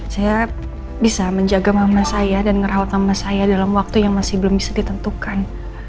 saya bisa menjaga mama saya dan ngerawat mama saya dalam waktu yang masih belum bisa ditentukan